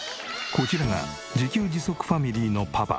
こちらが自給自足ファミリーのパパ